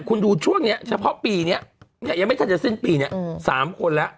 คุณดูช่วงนี้เฉพาะปีนี้อย่างไม่ทันจะเส้นปีนี้สามคนแล้ว